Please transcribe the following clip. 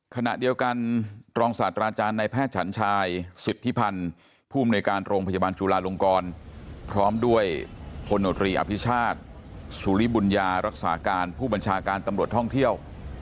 ขณะเดียวกันรองศาสตราจารย์ในแพทย์ฉันชายสิทธิพันธ์ผู้มนุยการโรงพยาบาลจุลาลงกรพร้อมด้วยพลโนตรีอภิชาติสุริบุญญารักษาการผู้บัญชาการตำรวจท่องเที่ยว